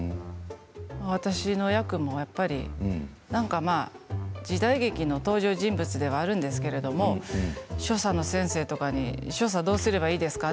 私の役もやっぱり、なんかまあ時代劇の登場人物ではあるんですけれど所作の先生とかに所作はどうすればいいですか？